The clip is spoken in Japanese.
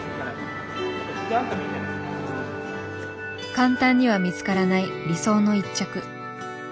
簡単には見つからない理想の一着。